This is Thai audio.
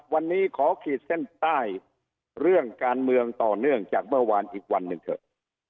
วันนี้ขอขีดเส้นใต้เรื่องการเมืองต่อเนื่องจากเมื่อวานอีกวันหนึ่งเถอะ